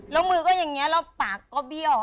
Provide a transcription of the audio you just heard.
แล้วมือก็อย่างนี้แล้วปากก็เบี้ยว